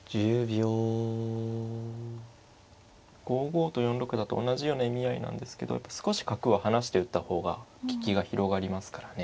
５五と４六だと同じような意味合いなんですけど少し角を離して打った方が利きが広がりますからね。